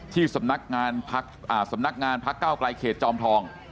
ที่สำนักงานพัก๙กลายเขตจอมทอง